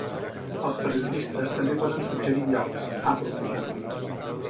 Els periodistes també poden suggerir llocs, ha proposat.